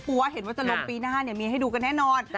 ถ้าเห็นว่าจะลงปีหน้าเนี่ยเมียให้ดูกันแน่นอน